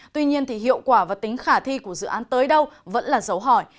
tuy nhiên hiệu quả và tính khả thi của dự án tới đâu vẫn là dấu hỏi